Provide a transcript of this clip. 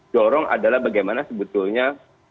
jorong adalah bagaimana sebetulnya